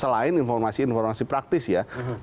selain informasi informasi praktis ya